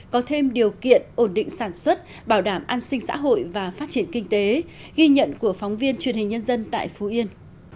có thêm điều kiện ổn định sản xuất bảo đảm an sinh xã hội và phát triển kinh tế ghi nhận của phóng viên truyền hình nhân dân tại phú yên